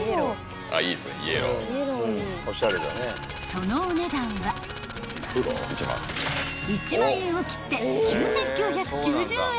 ［そのお値段は１万円を切って９，９９０円］